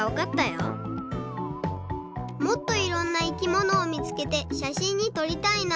もっといろんな生きものをみつけてしゃしんにとりたいな。